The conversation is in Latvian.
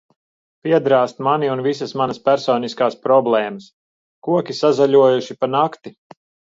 Piedrāzt mani un visas manas personiskās problēmas! Koki sazaļojuši pa nakti!